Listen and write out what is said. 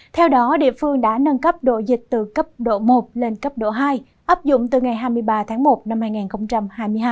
theo đó địa phương đã nâng cấp độ dịch từ cấp độ một lên cấp độ hai áp dụng từ ngày hai mươi ba tháng một năm hai nghìn hai mươi hai